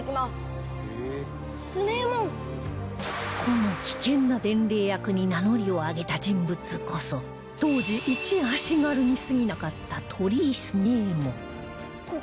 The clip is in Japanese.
この危険な伝令役に名乗りを上げた人物こそ当時いち足軽にすぎなかった鳥居強右衛門